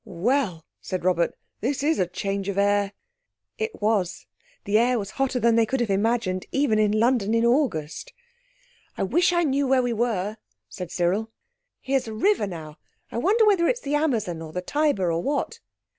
"Well!" said Robert, "this is a change of air!" It was. The air was hotter than they could have imagined, even in London in August. "I wish I knew where we were," said Cyril. "Here's a river, now—I wonder whether it's the Amazon or the Tiber, or what."